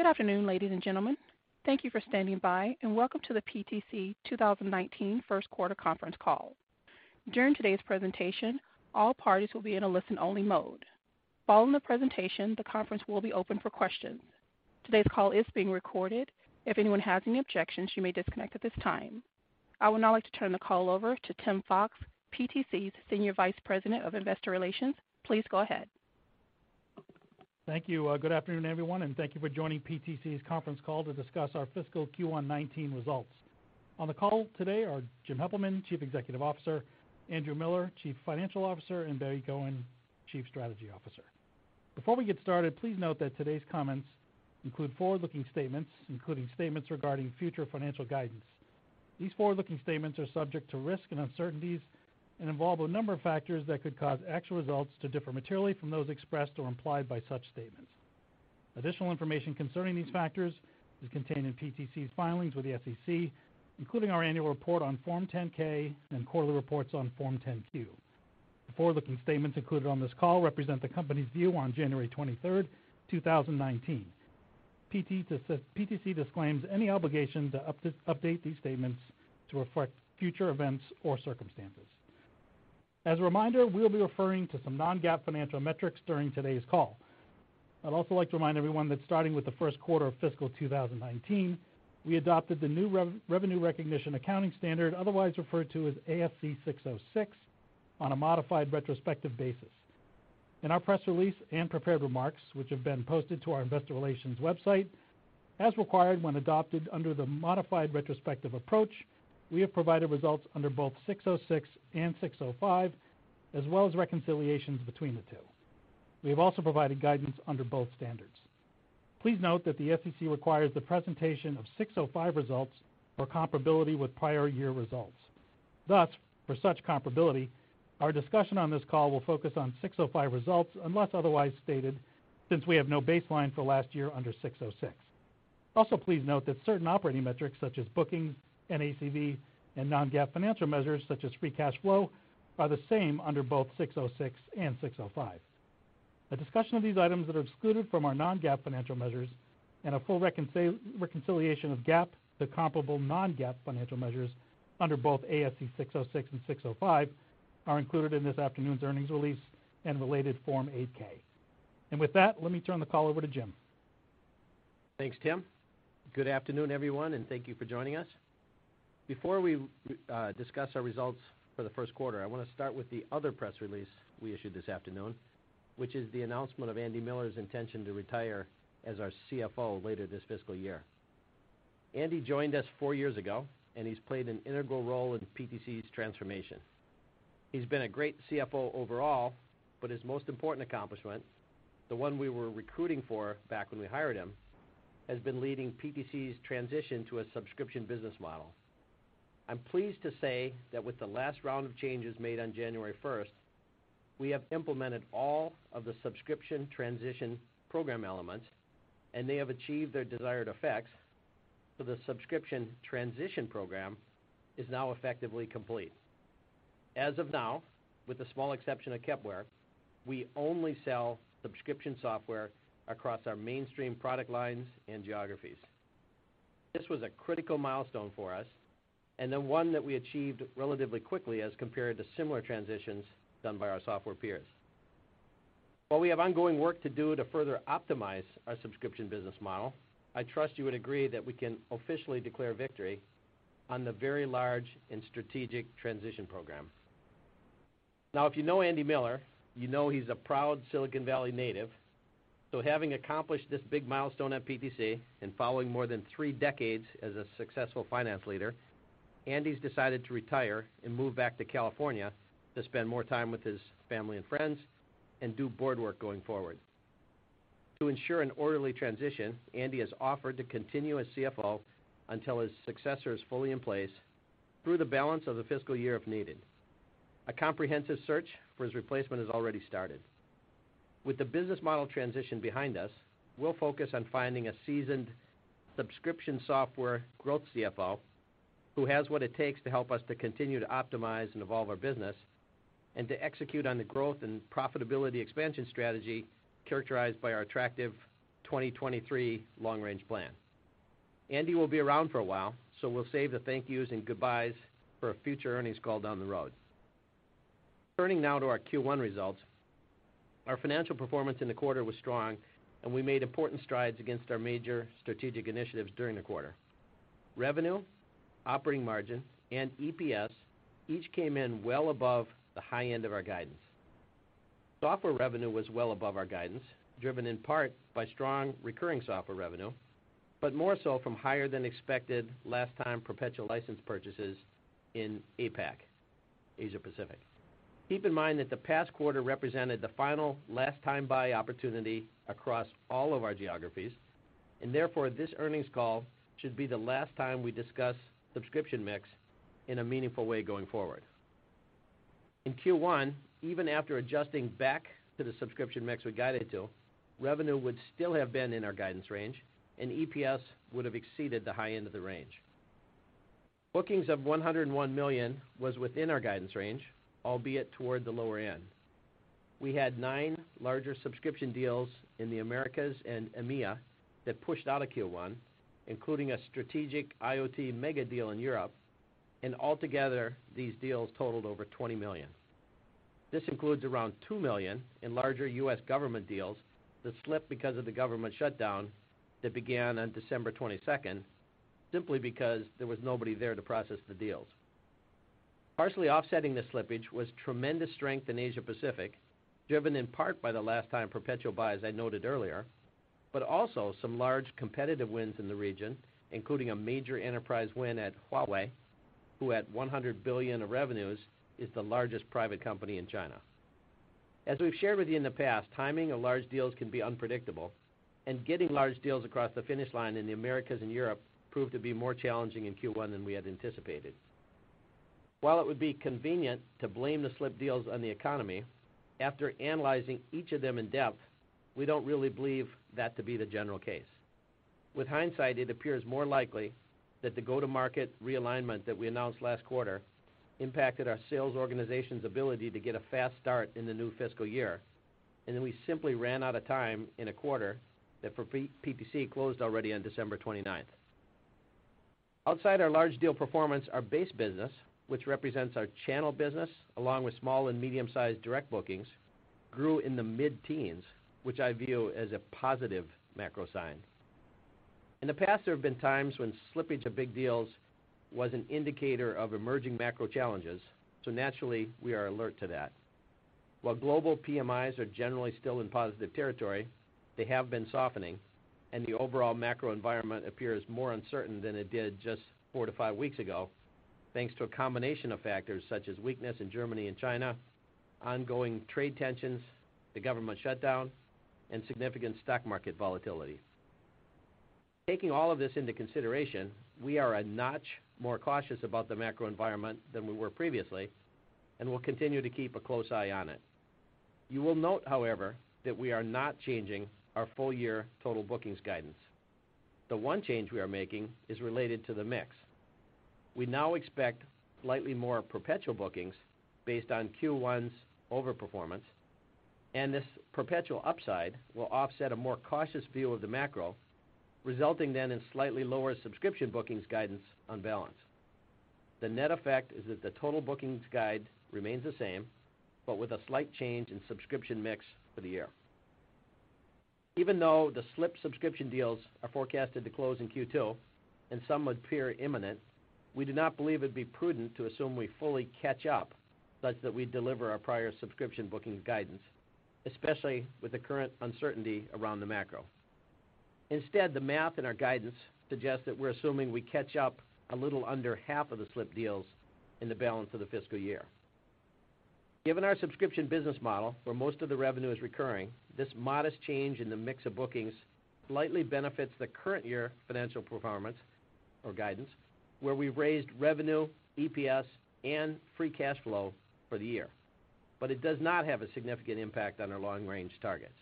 Good afternoon, ladies and gentlemen. Thank you for standing by, and welcome to the PTC 2019 First Quarter conference call. During today's presentation, all parties will be in a listen-only mode. Following the presentation, the conference will be open for questions. Today's call is being recorded. If anyone has any objections, you may disconnect at this time. I would now like to turn the call over to Tim Fox, PTC's Senior Vice President of Investor Relations. Please go ahead. Thank you. Good afternoon, everyone, and thank you for joining PTC's conference call to discuss our fiscal Q1 2019 results. On the call today are Jim Heppelmann, Chief Executive Officer, Andrew Miller, Chief Financial Officer, and Barry Cohen, Chief Strategy Officer. Before we get started, please note that today's comments include forward-looking statements, including statements regarding future financial guidance. These forward-looking statements are subject to risks and uncertainties and involve a number of factors that could cause actual results to differ materially from those expressed or implied by such statements. Additional information concerning these factors is contained in PTC's filings with the SEC, including our annual report on Form 10-K and quarterly reports on Form 10-Q. The forward-looking statements included on this call represent the company's view on January 23rd, 2019. PTC disclaims any obligation to update these statements to reflect future events or circumstances. As a reminder, we'll be referring to some non-GAAP financial metrics during today's call. I'd also like to remind everyone that starting with the first quarter of fiscal 2019, we adopted the new revenue recognition accounting standard, otherwise referred to as ASC 606, on a modified retrospective basis. In our press release and prepared remarks, which have been posted to our investor relations website, as required when adopted under the modified retrospective approach, we have provided results under both 606 and 605, as well as reconciliations between the two. We have also provided guidance under both standards. Please note that the SEC requires the presentation of 605 results for comparability with prior year results. Thus, for such comparability, our discussion on this call will focus on 605 results unless otherwise stated, since we have no baseline for last year under 606. Also, please note that certain operating metrics such as bookings, ACV, and non-GAAP financial measures such as free cash flow, are the same under both 606 and 605. A discussion of these items that are excluded from our non-GAAP financial measures and a full reconciliation of GAAP to comparable non-GAAP financial measures under both ASC 606 and 605 are included in this afternoon's earnings release and related Form 8-K. With that, let me turn the call over to Jim. Thanks, Tim. Good afternoon, everyone, thank you for joining us. Before we discuss our results for the first quarter, I want to start with the other press release we issued this afternoon, which is the announcement of Andy Miller's intention to retire as our CFO later this fiscal year. Andy joined us four years ago, he's played an integral role in PTC's transformation. He's been a great CFO overall, his most important accomplishment, the one we were recruiting for back when we hired him, has been leading PTC's transition to a subscription business model. I'm pleased to say that with the last round of changes made on January 1st, we have implemented all of the subscription transition program elements, they have achieved their desired effects, the subscription transition program is now effectively complete. As of now, with the small exception of Kepware, we only sell subscription software across our mainstream product lines and geographies. This was a critical milestone for us, one that we achieved relatively quickly as compared to similar transitions done by our software peers. While we have ongoing work to do to further optimize our subscription business model, I trust you would agree that we can officially declare victory on the very large and strategic transition program. If you know Andy Miller, you know he's a proud Silicon Valley native, having accomplished this big milestone at PTC and following more than three decades as a successful finance leader, Andy's decided to retire and move back to California to spend more time with his family and friends and do board work going forward. To ensure an orderly transition, Andy has offered to continue as CFO until his successor is fully in place through the balance of the fiscal year if needed. A comprehensive search for his replacement has already started. With the business model transition behind us, we'll focus on finding a seasoned subscription software growth CFO who has what it takes to help us to continue to optimize and evolve our business and to execute on the growth and profitability expansion strategy characterized by our attractive 2023 long-range plan. Andy will be around for a while, we'll save the thank yous and goodbyes for a future earnings call down the road. Turning to our Q1 results. Our financial performance in the quarter was strong we made important strides against our major strategic initiatives during the quarter. Revenue, operating margin, EPS each came in well above the high end of our guidance. Software revenue was well above our guidance, driven in part by strong recurring software revenue, more so from higher than expected last-time perpetual license purchases in APAC, Asia Pacific. Keep in mind that the past quarter represented the final last-time buy opportunity across all of our geographies, this earnings call should be the last time we discuss subscription mix in a meaningful way going forward. In Q1, even after adjusting back to the subscription mix we guided to, revenue would still have been in our guidance range, EPS would have exceeded the high end of the range. Bookings of $101 million was within our guidance range, albeit toward the lower end. We had nine larger subscription deals in the Americas and EMEA that pushed out Q1, including a strategic IoT mega deal in Europe, and altogether, these deals totaled over $20 million. This includes around $2 million in larger U.S. government deals that slipped because of the government shutdown that began on December 22nd, simply because there was nobody there to process the deals. Partially offsetting the slippage was tremendous strength in Asia Pacific, driven in part by the last-time perpetual buys I noted earlier, but also some large competitive wins in the region, including a major enterprise win at Huawei, who at $100 billion of revenues, is the largest private company in China. As we've shared with you in the past, timing of large deals can be unpredictable, and getting large deals across the finish line in the Americas and Europe proved to be more challenging in Q1 than we had anticipated. While it would be convenient to blame the slipped deals on the economy, after analyzing each of them in depth, we don't really believe that to be the general case. With hindsight, it appears more likely that the go-to-market realignment that we announced last quarter impacted our sales organization's ability to get a fast start in the new fiscal year, and then we simply ran out of time in a quarter that for PTC closed already on December 29th. Outside our large deal performance, our base business, which represents our channel business, along with small and medium-sized direct bookings, grew in the mid-teens, which I view as a positive macro sign. In the past, there have been times when slippage of big deals was an indicator of emerging macro challenges. Naturally, we are alert to that. While global PMIs are generally still in positive territory, they have been softening, and the overall macro environment appears more uncertain than it did just 4-5 weeks ago, thanks to a combination of factors such as weakness in Germany and China, ongoing trade tensions, the government shutdown, and significant stock market volatility. Taking all of this into consideration, we are a notch more cautious about the macro environment than we were previously and will continue to keep a close eye on it. You will note, however, that we are not changing our full-year total bookings guidance. The one change we are making is related to the mix. We now expect slightly more perpetual bookings based on Q1's over-performance, and this perpetual upside will offset a more cautious view of the macro, resulting then in slightly lower subscription bookings guidance on balance. The net effect is that the total bookings guide remains the same, but with a slight change in subscription mix for the year. Even though the slipped subscription deals are forecasted to close in Q2, and some would appear imminent, we do not believe it'd be prudent to assume we fully catch up such that we deliver our prior subscription bookings guidance, especially with the current uncertainty around the macro. Instead, the math in our guidance suggests that we're assuming we catch up a little under half of the slipped deals in the balance of the fiscal year. Given our subscription business model, where most of the revenue is recurring, this modest change in the mix of bookings slightly benefits the current year financial performance or guidance, where we've raised revenue, EPS, and free cash flow for the year, but it does not have a significant impact on our long-range targets.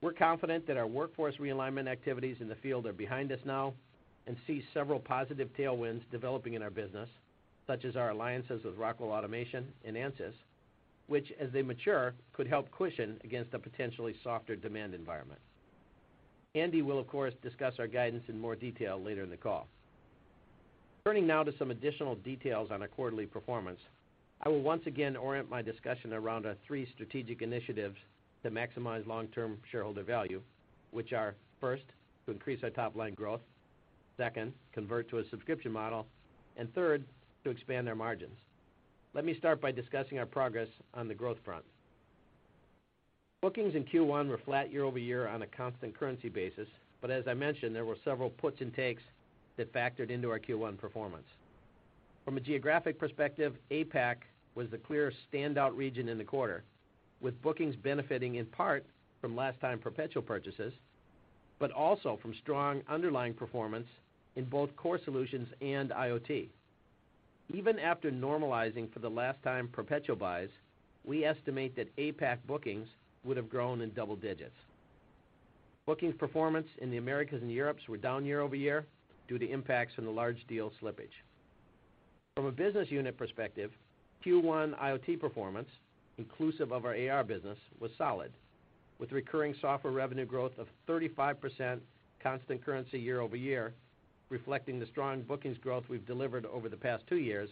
We're confident that our workforce realignment activities in the field are behind us now and see several positive tailwinds developing in our business, such as our alliances with Rockwell Automation and Ansys, which, as they mature, could help cushion against a potentially softer demand environment. Andy will, of course, discuss our guidance in more detail later in the call. Turning now to some additional details on our quarterly performance, I will once again orient my discussion around our three strategic initiatives that maximize long-term shareholder value, which are, first, to increase our top-line growth, second, convert to a subscription model, and third, to expand our margins. Let me start by discussing our progress on the growth front. Bookings in Q1 were flat year-over-year on a constant currency basis. As I mentioned, there were several puts and takes that factored into our Q1 performance. From a geographic perspective, APAC was the clear standout region in the quarter, with bookings benefiting in part from last-time perpetual purchases, but also from strong underlying performance in both core solutions and IoT. Even after normalizing for the last-time perpetual buys, we estimate that APAC bookings would have grown in double digits. Bookings performance in the Americas and Europe were down year-over-year due to impacts from the large deal slippage. From a business unit perspective, Q1 IoT performance, inclusive of our AR business, was solid, with recurring software revenue growth of 35% constant currency year-over-year, reflecting the strong bookings growth we've delivered over the past two years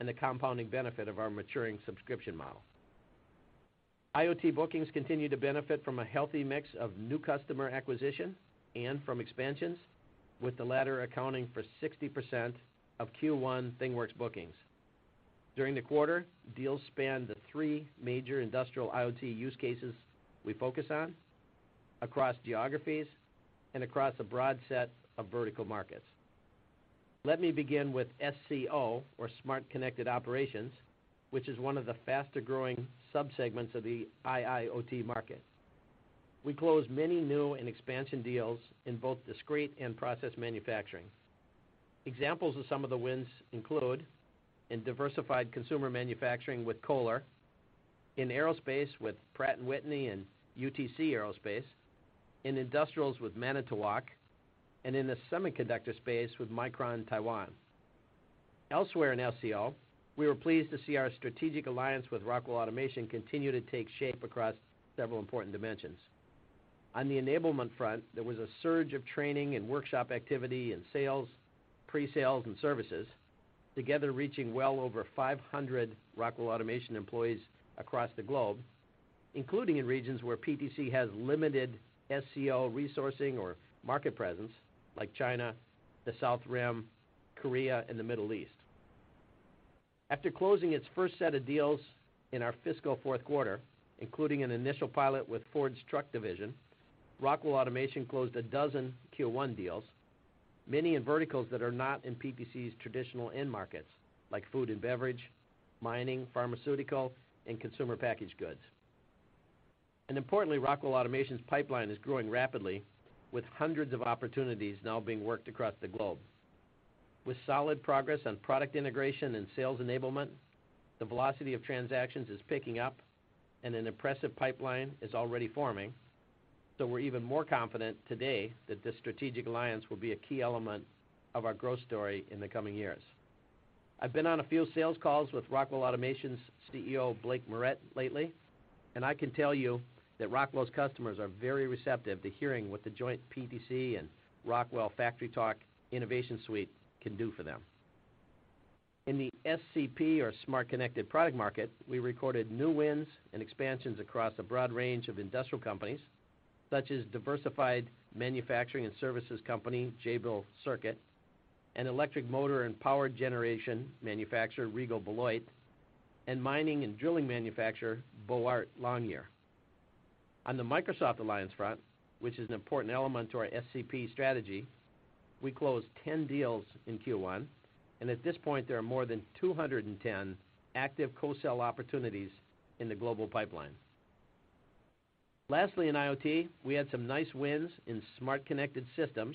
and the compounding benefit of our maturing subscription model. IoT bookings continue to benefit from a healthy mix of new customer acquisition and from expansions, with the latter accounting for 60% of Q1 ThingWorx bookings. During the quarter, deals spanned the three major industrial IoT use cases we focus on across geographies and across a broad set of vertical markets. Let me begin with SCO, or smart connected operations, which is one of the faster-growing subsegments of the IIoT market. We closed many new and expansion deals in both discrete and process manufacturing. Examples of some of the wins include in diversified consumer manufacturing with Kohler, in aerospace with Pratt & Whitney and UTC Aerospace, in industrials with Manitowoc, and in the semiconductor space with Micron Taiwan. Elsewhere in SCO, we were pleased to see our strategic alliance with Rockwell Automation continue to take shape across several important dimensions. On the enablement front, there was a surge of training and workshop activity in sales, pre-sales, and services, together reaching well over 500 Rockwell Automation employees across the globe, including in regions where PTC has limited SCO resourcing or market presence, like China, the South Rim, Korea, and the Middle East. After closing its first set of deals in our fiscal fourth quarter, including an initial pilot with Ford's truck division, Rockwell Automation closed 12 Q1 deals, many in verticals that are not in PTC's traditional end markets, like food and beverage, mining, pharmaceutical, and consumer packaged goods. Importantly, Rockwell Automation's pipeline is growing rapidly, with hundreds of opportunities now being worked across the globe. With solid progress on product integration and sales enablement, the velocity of transactions is picking up and an impressive pipeline is already forming. We're even more confident today that this strategic alliance will be a key element of our growth story in the coming years. I've been on a few sales calls with Rockwell Automation's CEO, Blake Moret, lately. I can tell you that Rockwell's customers are very receptive to hearing what the joint PTC and Rockwell FactoryTalk InnovationSuite can do for them. In the SCP, or Smart Connected Product market, we recorded new wins and expansions across a broad range of industrial companies, such as diversified manufacturing and services company, Jabil Circuit, and electric motor and power generation manufacturer, Regal Beloit, and mining and drilling manufacturer, Boart Longyear. On the Microsoft alliance front, which is an important element to our SCP strategy, we closed 10 deals in Q1, and at this point, there are more than 210 active co-sell opportunities in the global pipeline. In IoT, we had some nice wins in smart connected systems,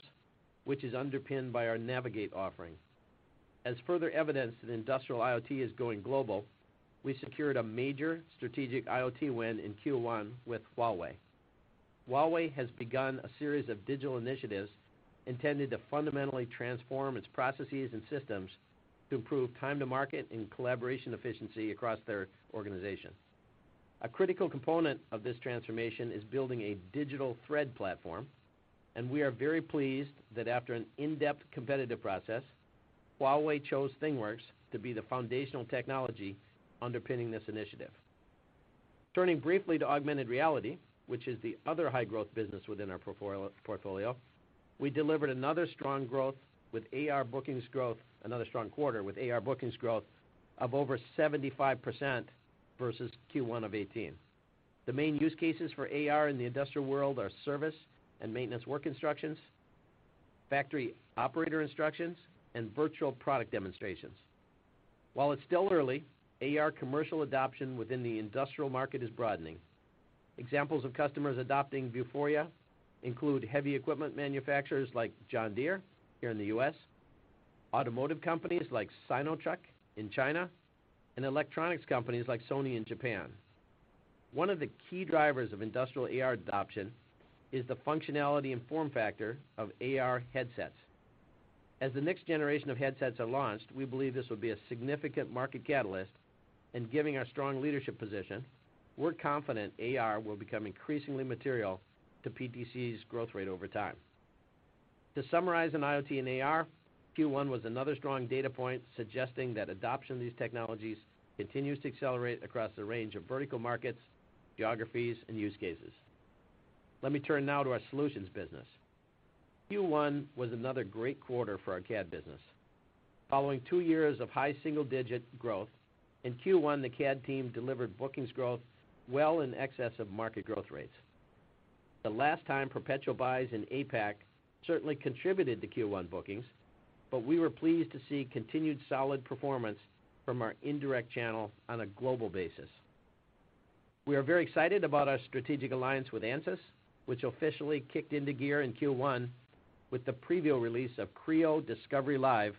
which is underpinned by our Navigate offering. As further evidence that industrial IoT is going global, we secured a major strategic IoT win in Q1 with Huawei. Huawei has begun a series of digital initiatives intended to fundamentally transform its processes and systems to improve time to market and collaboration efficiency across their organization. A critical component of this transformation is building a digital thread platform. We are very pleased that after an in-depth competitive process, Huawei chose ThingWorx to be the foundational technology underpinning this initiative. Turning briefly to augmented reality, which is the other high-growth business within our portfolio, we delivered another strong quarter with AR bookings growth of over 75% versus Q1 of 2018. The main use cases for AR in the industrial world are service and maintenance work instructions, factory operator instructions, and virtual product demonstrations. While it's still early, AR commercial adoption within the industrial market is broadening. Examples of customers adopting Vuforia include heavy equipment manufacturers like John Deere here in the U.S., automotive companies like Sinotruk in China, and electronics companies like Sony in Japan. One of the key drivers of industrial AR adoption is the functionality and form factor of AR headsets. As the next generation of headsets are launched, we believe this will be a significant market catalyst, and given our strong leadership position, we're confident AR will become increasingly material to PTC's growth rate over time. To summarize on IoT and AR, Q1 was another strong data point suggesting that adoption of these technologies continues to accelerate across a range of vertical markets, geographies, and use cases. Let me turn now to our solutions business. Q1 was another great quarter for our CAD business. Following two years of high single-digit growth, in Q1, the CAD team delivered bookings growth well in excess of market growth rates. The last time Perpetual buys in APAC certainly contributed to Q1 bookings, but we were pleased to see continued solid performance from our indirect channel on a global basis. We are very excited about our strategic alliance with Ansys, which officially kicked into gear in Q1 with the preview release of Creo Discovery Live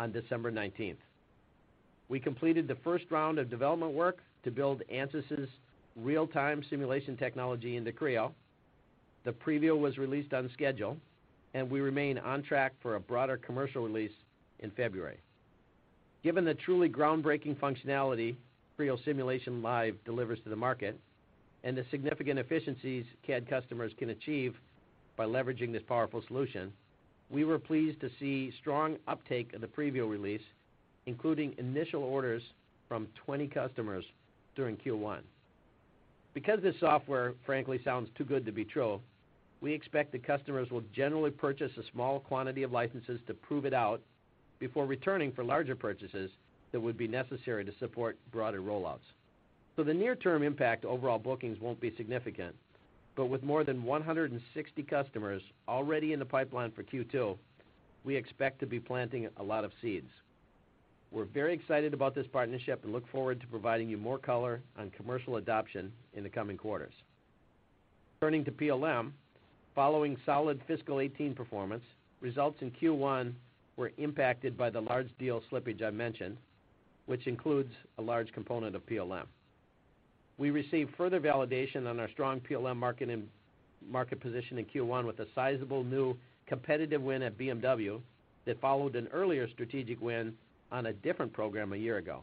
on December 19th. We completed the first round of development work to build Ansys' real-time simulation technology into Creo. The preview was released on schedule, and we remain on track for a broader commercial release in February. Given the truly groundbreaking functionality Creo Simulation Live delivers to the market and the significant efficiencies CAD customers can achieve by leveraging this powerful solution, we were pleased to see strong uptake of the preview release, including initial orders from 20 customers during Q1. Because this software frankly sounds too good to be true, we expect that customers will generally purchase a small quantity of licenses to prove it out before returning for larger purchases that would be necessary to support broader rollouts. The near-term impact overall bookings won't be significant, but with more than 160 customers already in the pipeline for Q2, we expect to be planting a lot of seeds. We're very excited about this partnership and look forward to providing you more color on commercial adoption in the coming quarters. Turning to PLM, following solid fiscal 2018 performance, results in Q1 were impacted by the large deal slippage I mentioned, which includes a large component of PLM. We received further validation on our strong PLM market position in Q1 with a sizable new competitive win at BMW that followed an earlier strategic win on a different program a year ago.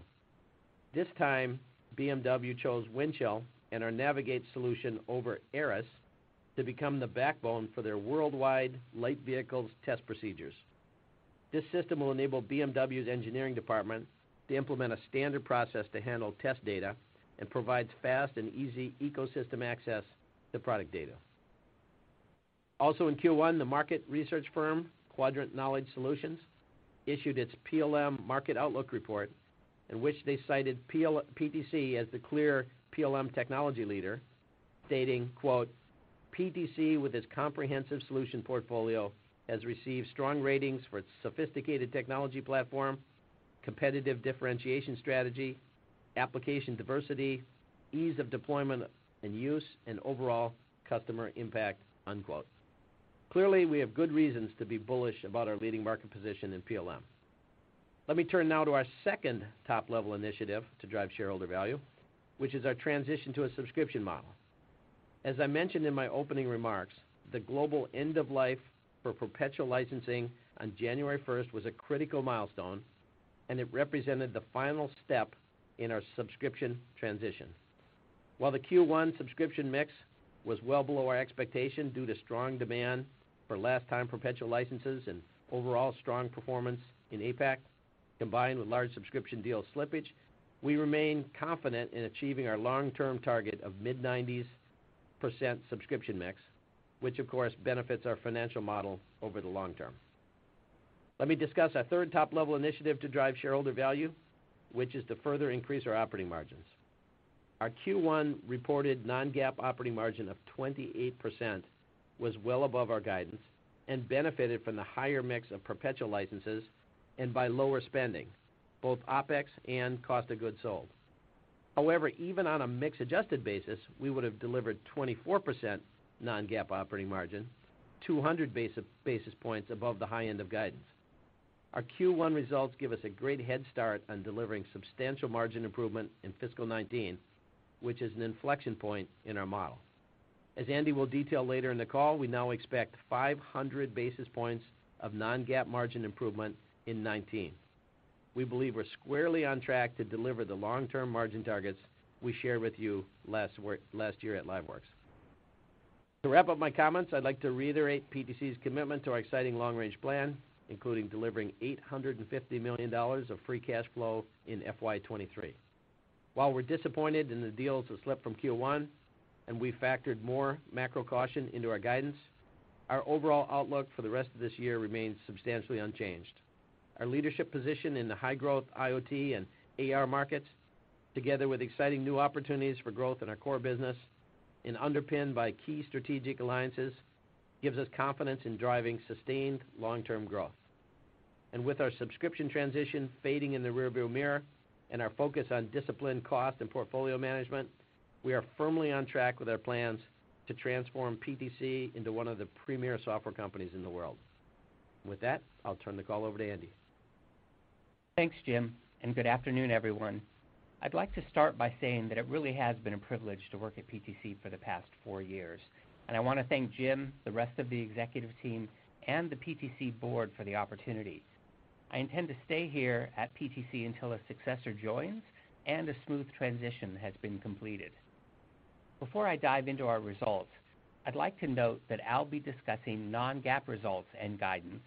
This time, BMW chose Windchill and our Navigate solution over Aras to become the backbone for their worldwide light vehicles test procedures. This system will enable BMW's engineering department to implement a standard process to handle test data and provides fast and easy ecosystem access to product data. Also in Q1, the market research firm Quadrant Knowledge Solutions issued its PLM Market Outlook report, in which they cited PTC as the clear PLM technology leader, stating, quote, "PTC, with its comprehensive solution portfolio, has received strong ratings for its sophisticated technology platform, competitive differentiation strategy, application diversity, ease of deployment and use, and overall customer impact." Unquote. Clearly, we have good reasons to be bullish about our leading market position in PLM. Let me turn now to our second top-level initiative to drive shareholder value, which is our transition to a subscription model. As I mentioned in my opening remarks, the global end-of-life for perpetual licensing on January 1st was a critical milestone, and it represented the final step in our subscription transition. While the Q1 subscription mix was well below our expectation due to strong demand for last-time perpetual licenses and overall strong performance in APAC, combined with large subscription deal slippage, we remain confident in achieving our long-term target of mid-90s% subscription mix, which of course benefits our financial model over the long term. Let me discuss our third top-level initiative to drive shareholder value, which is to further increase our operating margins. Our Q1 reported non-GAAP operating margin of 28% was well above our guidance and benefited from the higher mix of perpetual licenses and by lower spending, both OpEx and cost of goods sold. However, even on a mix-adjusted basis, we would have delivered 24% non-GAAP operating margin, 200 basis points above the high end of guidance. Our Q1 results give us a great head start on delivering substantial margin improvement in fiscal 2019, which is an inflection point in our model. As Andy will detail later in the call, we now expect 500 basis points of non-GAAP margin improvement in 2019. We believe we're squarely on track to deliver the long-term margin targets we shared with you last year at LiveWorx. To wrap up my comments, I'd like to reiterate PTC's commitment to our exciting long-range plan, including delivering $850 million of free cash flow in FY 2023. While we're disappointed in the deals that slipped from Q1, and we factored more macro caution into our guidance, our overall outlook for the rest of this year remains substantially unchanged. Our leadership position in the high-growth IoT and AR markets, together with exciting new opportunities for growth in our core business and underpinned by key strategic alliances, gives us confidence in driving sustained long-term growth. With our subscription transition fading in the rear-view mirror and our focus on disciplined cost and portfolio management, we are firmly on track with our plans to transform PTC into one of the premier software companies in the world. With that, I'll turn the call over to Andy. Thanks, Jim, and good afternoon, everyone. I'd like to start by saying that it really has been a privilege to work at PTC for the past four years, and I want to thank Jim, the rest of the executive team, and the PTC board for the opportunity. I intend to stay here at PTC until a successor joins and a smooth transition has been completed. Before I dive into our results, I'd like to note that I'll be discussing non-GAAP results and guidance,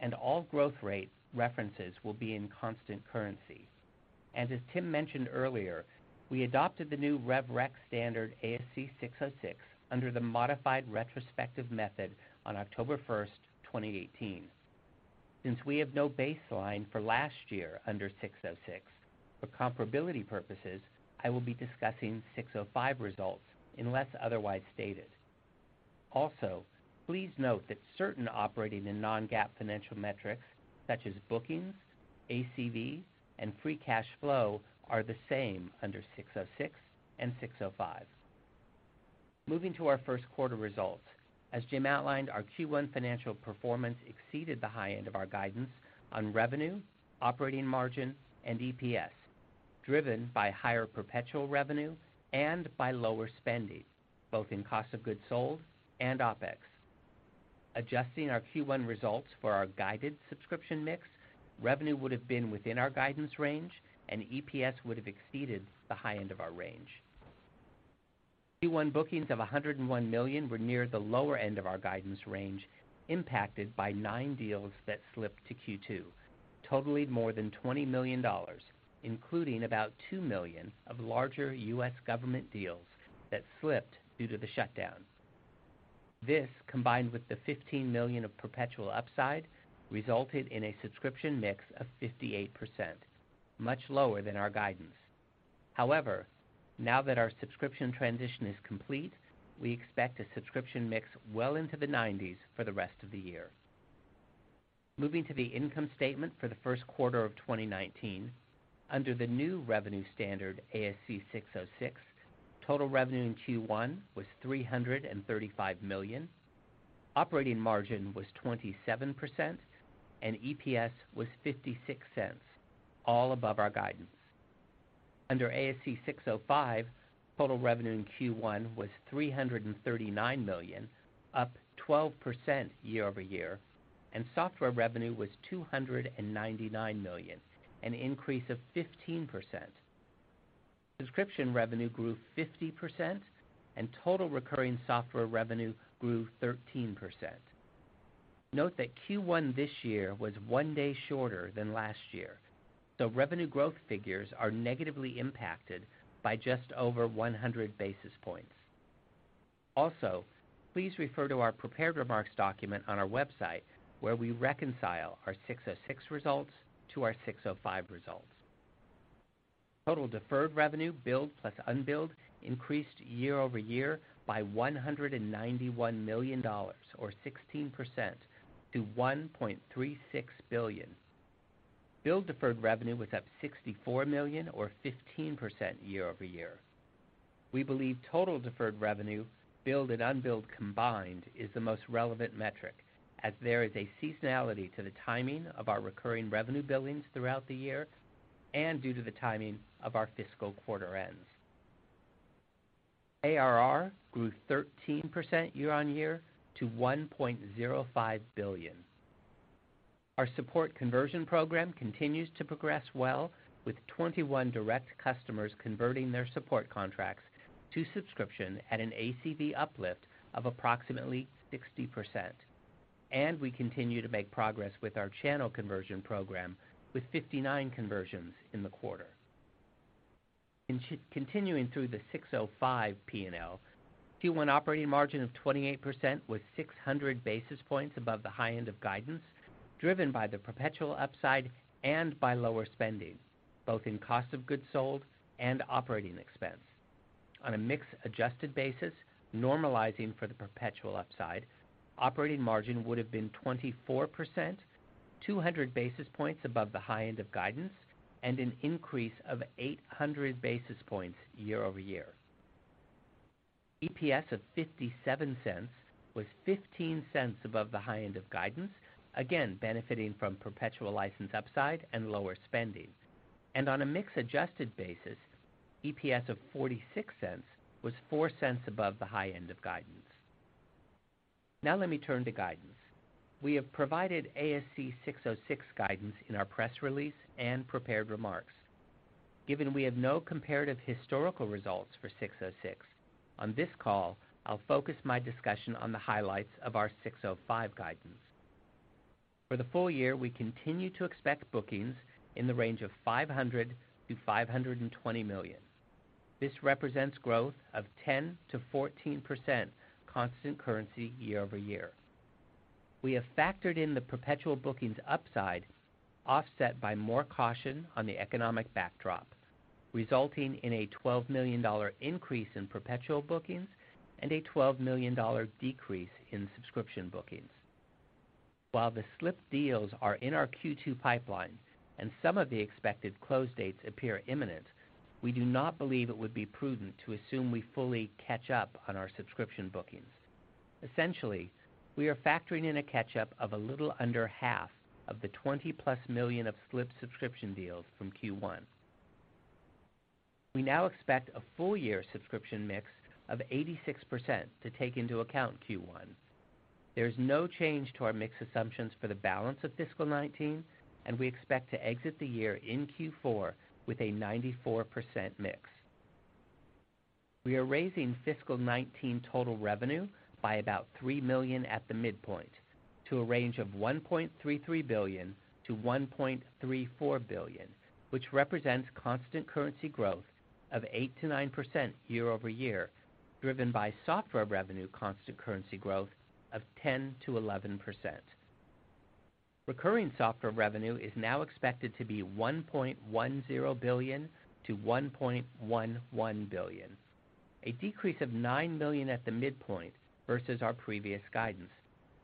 and all growth rate references will be in constant currency. As Tim mentioned earlier, we adopted the new Rev Rec standard ASC 606 under the modified retrospective method on October 1st, 2018. Since we have no baseline for last year under 606, for comparability purposes, I will be discussing 605 results unless otherwise stated. Also, please note that certain operating and non-GAAP financial metrics, such as bookings, ACVs, and free cash flow, are the same under 606 and 605. Moving to our first quarter results. As Jim outlined, our Q1 financial performance exceeded the high end of our guidance on revenue, operating margin, and EPS, driven by higher perpetual revenue and by lower spending, both in cost of goods sold and OpEx. Adjusting our Q1 results for our guided subscription mix, revenue would have been within our guidance range, and EPS would have exceeded the high end of our range. Q1 bookings of $101 million were near the lower end of our guidance range, impacted by nine deals that slipped to Q2, totaling more than $20 million, including about $2 million of larger U.S. government deals that slipped due to the shutdown. This, combined with the $15 million of perpetual upside, resulted in a subscription mix of 58%, much lower than our guidance. However, now that our subscription transition is complete, we expect a subscription mix well into the 90s for the rest of the year. Moving to the income statement for the first quarter of 2019, under the new revenue standard, ASC 606, total revenue in Q1 was $335 million, operating margin was 27%, and EPS was $0.56, all above our guidance. Under ASC 605, total revenue in Q1 was $339 million, up 12% year-over-year, and software revenue was $299 million, an increase of 15%. Subscription revenue grew 50%, and total recurring software revenue grew 13%. Note that Q1 this year was one day shorter than last year, so revenue growth figures are negatively impacted by just over 100 basis points. Also, please refer to our prepared remarks document on our website where we reconcile our 606 results to our 605 results. Total deferred revenue, billed plus unbilled, increased year-over-year by $191 million or 16% to $1.36 billion. Billed deferred revenue was up $64 million or 15% year-over-year. We believe total deferred revenue, billed and unbilled combined, is the most relevant metric as there is a seasonality to the timing of our recurring revenue billings throughout the year and due to the timing of our fiscal quarter ends. ARR grew 13% year-on-year to $1.05 billion. Our support conversion program continues to progress well with 21 direct customers converting their support contracts to subscription at an ACV uplift of approximately 60%. We continue to make progress with our channel conversion program with 59 conversions in the quarter. Continuing through the 605 P&L, Q1 operating margin of 28% was 600 basis points above the high end of guidance, driven by the perpetual upside and by lower spending, both in cost of goods sold and operating expense. On a mix-adjusted basis, normalizing for the perpetual upside, operating margin would've been 24%, 200 basis points above the high end of guidance, and an increase of 800 basis points year-over-year. EPS of $0.57 was $0.15 above the high end of guidance, again benefiting from perpetual license upside and lower spending. On a mix-adjusted basis, EPS of $0.46 was $0.04 above the high end of guidance. Let me turn to guidance. We have provided ASC 606 guidance in our press release and prepared remarks. Given we have no comparative historical results for 606, on this call, I'll focus my discussion on the highlights of our 605 guidance. For the full year, we continue to expect bookings in the range of $500 million-$520 million. This represents growth of 10%-14% constant currency year-over-year. We have factored in the perpetual bookings upside, offset by more caution on the economic backdrop, resulting in a $12 million increase in perpetual bookings and a $12 million decrease in subscription bookings. While the slipped deals are in our Q2 pipeline, and some of the expected close dates appear imminent, we do not believe it would be prudent to assume we fully catch up on our subscription bookings. Essentially, we are factoring in a catch-up of a little under half of the $20-plus million of slipped subscription deals from Q1. We now expect a full-year subscription mix of 86% to take into account Q1. There is no change to our mix assumptions for the balance of fiscal 2019, and we expect to exit the year in Q4 with a 94% mix. We are raising fiscal 2019 total revenue by about $3 million at the midpoint to a range of $1.33 billion-$1.34 billion, which represents constant currency growth of 8%-9% year-over-year, driven by software revenue constant currency growth of 10%-11%. Recurring software revenue is now expected to be $1.10 billion-$1.11 billion, a decrease of $9 million at the midpoint versus our previous guidance,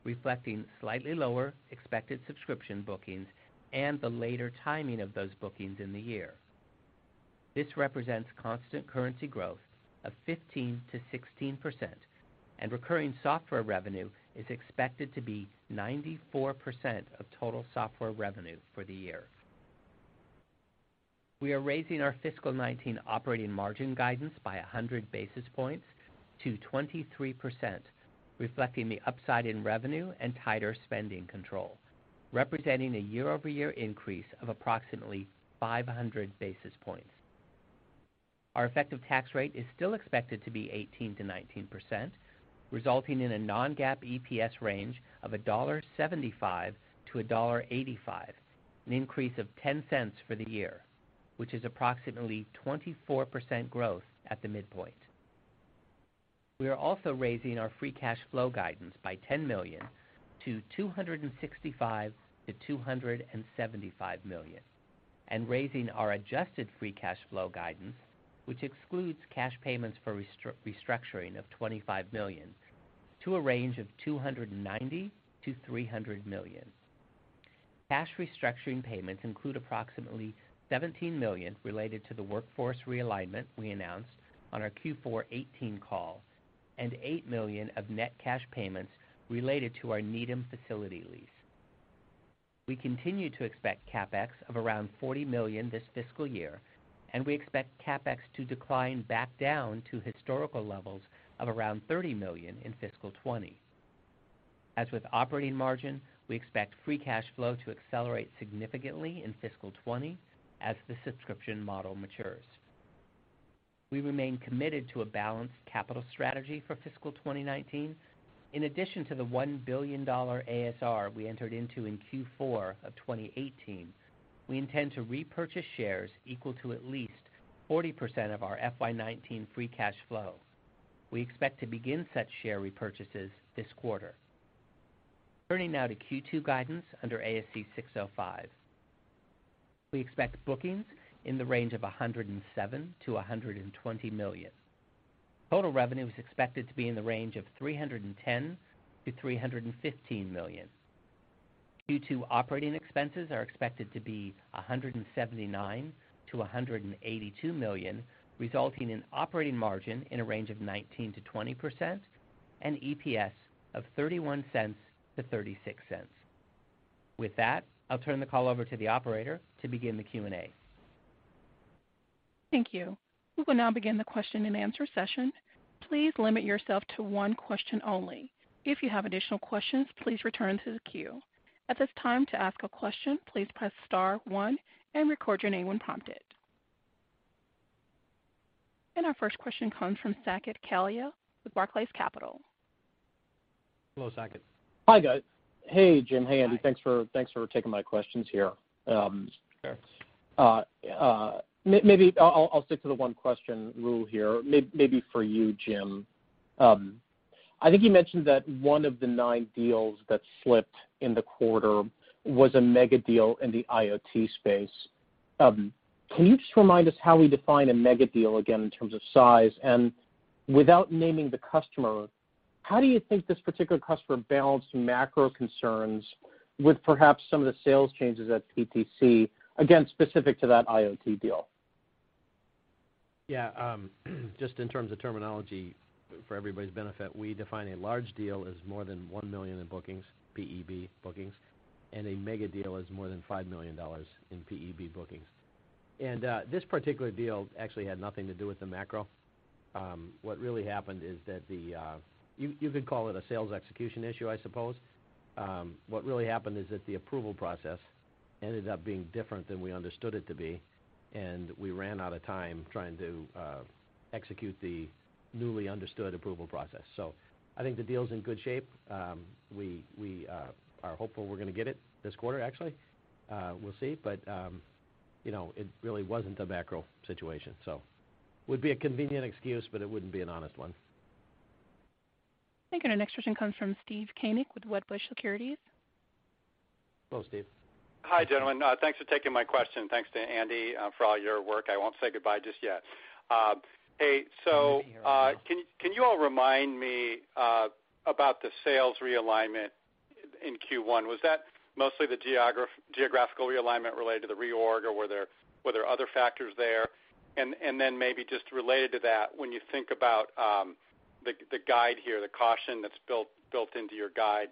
reflecting slightly lower expected subscription bookings and the later timing of those bookings in the year. This represents constant currency growth of 15%-16%, and recurring software revenue is expected to be 94% of total software revenue for the year. We are raising our fiscal 2019 operating margin guidance by 100 basis points to 23%, reflecting the upside in revenue and tighter spending control, representing a year-over-year increase of approximately 500 basis points. Our effective tax rate is still expected to be 18%-19%, resulting in a non-GAAP EPS range of $1.75-$1.85, an increase of $0.10 for the year, which is approximately 24% growth at the midpoint. We are also raising our free cash flow guidance by $10 million to $265 million-$275 million and raising our adjusted free cash flow guidance, which excludes cash payments for restructuring of $25 million, to a range of $290 million-$300 million. Cash restructuring payments include approximately $17 million related to the workforce realignment we announced on our Q4 2018 call and $8 million of net cash payments related to our Needham facility lease. We continue to expect CapEx of around $40 million this fiscal year, and we expect CapEx to decline back down to historical levels of around $30 million in fiscal 2020. As with operating margin, we expect free cash flow to accelerate significantly in fiscal 2020 as the subscription model matures. We remain committed to a balanced capital strategy for fiscal 2019. In addition to the $1 billion ASR we entered into in Q4 of 2018, we intend to repurchase shares equal to at least 40% of our FY 2019 free cash flow. We expect to begin such share repurchases this quarter. Turning now to Q2 guidance under ASC 605. We expect bookings in the range of $107 million-$120 million. Total revenues are expected in the range of $310 million-$315 million. Q2 operating expenses are expected to be $179 million-$182 million resulting in operating margins in the range of 19%-20% and EPS of $0.31-$0.36. I'll turn the call over to the operator to begin the Q&A. Thank you. We will now begin the question-and-answer session. Please limit yourself to one question only. If you have additional questions, please return to the queue. At this time, to ask a question, please press star one and record your name when prompted. Our first question comes from Saket Kalia with Barclays Capital. Hello, Saket. Hi, guys. Hey, Jim. Hey, Andy. Hi. Thanks for taking my questions here. Sure. Maybe I'll stick to the one-question rule here. Maybe for you, Jim. I think you mentioned that one of the nine deals that slipped in the quarter was a mega deal in the IoT space. Can you just remind us how we define a mega deal again in terms of size? And without naming the customer, how do you think this particular customer balanced macro concerns with perhaps some of the sales changes at PTC, again, specific to that IoT deal? Yeah. Just in terms of terminology for everybody's benefit, we define a large deal as more than $1 million in bookings, PEB bookings, and a mega deal as more than $5 million in PEB bookings. This particular deal actually had nothing to do with the macro. You could call it a sales execution issue, I suppose. What really happened is that the approval process ended up being different than we understood it to be, and we ran out of time trying to execute the newly understood approval process. I think the deal's in good shape. We are hopeful we're going to get it this quarter, actually. We'll see. It really wasn't a macro situation. Would be a convenient excuse, but it wouldn't be an honest one. Thank you. Our next question comes from Steve Koenig with Wedbush Securities. Hello, Steve. Hi, gentlemen. Thanks for taking my question. Thanks to Andy for all your work. I won't say goodbye just yet. Good to be here. Hey, can you all remind me about the sales realignment in Q1? Was that mostly the geographical realignment related to the reorg, or were there other factors there? Maybe just related to that, when you think about the guide here, the caution that's built into your guide,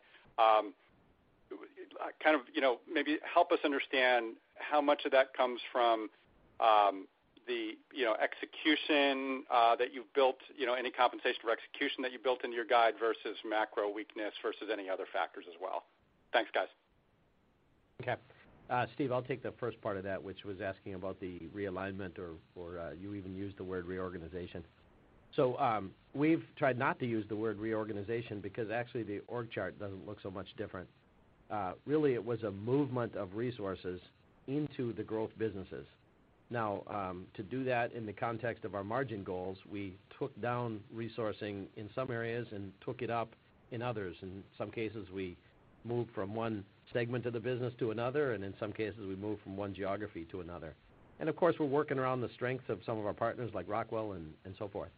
maybe help us understand how much of that comes from any compensation or execution that you've built into your guide versus macro weakness versus any other factors as well. Thanks, guys. Steve, I'll take the first part of that, which was asking about the realignment or you even used the word reorganization. We've tried not to use the word reorganization because actually the org chart doesn't look so much different. It was a movement of resources into the growth businesses. To do that in the context of our margin goals, we took down resourcing in some areas and took it up in others. In some cases, we moved from one segment of the business to another, and in some cases, we moved from one geography to another. Of course, we're working around the strength of some of our partners like Rockwell and so forth.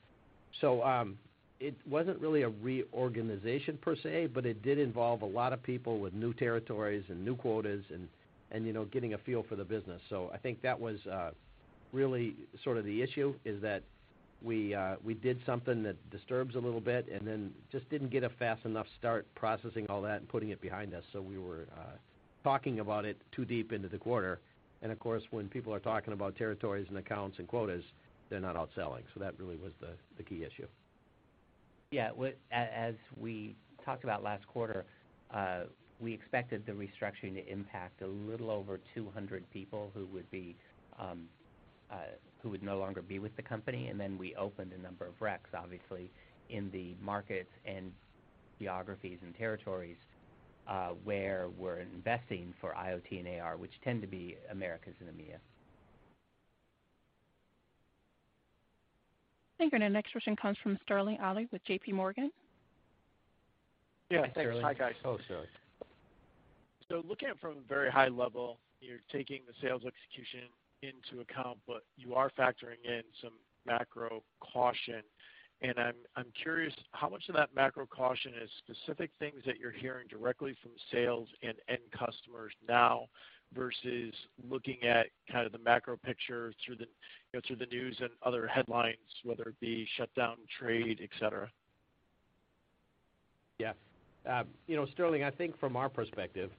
It wasn't really a reorganization per se, but it did involve a lot of people with new territories and new quotas and getting a feel for the business. I think that was really sort of the issue is that we did something that disturbs a little bit and then just didn't get a fast enough start processing all that and putting it behind us, so we were talking about it too deep into the quarter. Of course, when people are talking about territories and accounts and quotas, they're not out selling. That really was the key issue. Yeah. As we talked about last quarter, we expected the restructuring to impact a little over 200 people who would no longer be with the company. Then we opened a number of recs, obviously, in the markets and geographies and territories, where we're investing for IoT and AR, which tend to be Americas and EMEA. Thank you. Our next question comes from Sterling Auty with JPMorgan. Yeah, thanks. Hey, Sterling. Hi, guys. Hello, Sterling. Looking at it from a very high level, you're taking the sales execution into account, but you are factoring in some macro caution. I'm curious, how much of that macro caution is specific things that you're hearing directly from sales and end customers now versus looking at kind of the macro picture through the news and other headlines, whether it be shutdown, trade, et cetera? Yeah. Sterling, I think from our perspective,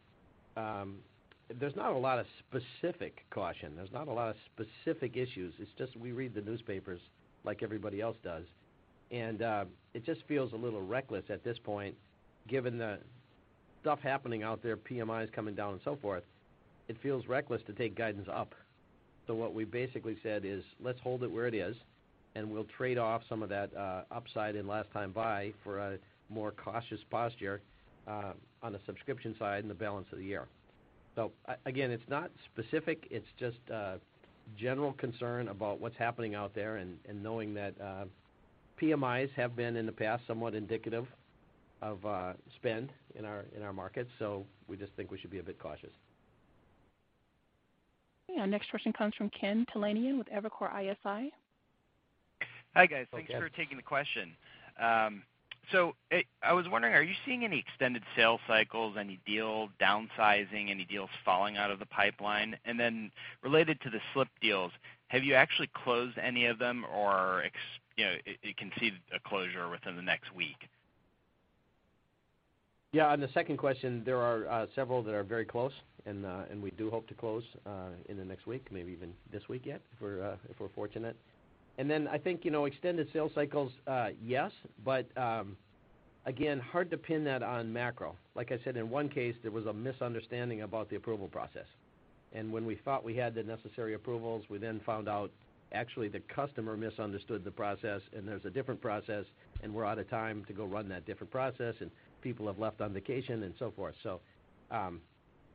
there's not a lot of specific caution. There's not a lot of specific issues. It's just we read the newspapers like everybody else does, and it just feels a little reckless at this point, given the stuff happening out there, PMI coming down and so forth. It feels reckless to take guidance up. What we basically said is, "Let's hold it where it is, and we'll trade off some of that upside in last time buy for a more cautious posture on the subscription side in the balance of the year." Again, it's not specific. It's just a general concern about what's happening out there and knowing that PMI have been, in the past, somewhat indicative of spend in our markets. We just think we should be a bit cautious. Yeah. Next question comes from Ken Talanian with Evercore ISI. Hi, guys. Hi, Ken. Thanks for taking the question. I was wondering, are you seeing any extended sales cycles, any deal downsizing, any deals falling out of the pipeline? Related to the slipped deals, have you actually closed any of them or can see a closure within the next week? Yeah, on the second question, there are several that are very close, and we do hope to close in the next week, maybe even this week yet, if we're fortunate. I think extended sales cycles, yes. Again, hard to pin that on macro. Like I said, in one case, there was a misunderstanding about the approval process. When we thought we had the necessary approvals, we then found out actually the customer misunderstood the process, and there's a different process, and we're out of time to go run that different process, and people have left on vacation and so forth.